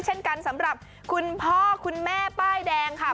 เช่นกันสำหรับคุณพ่อคุณแม่ป้ายแดงค่ะ